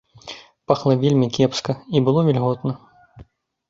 Пахла вельмі кепска, і было вільготна.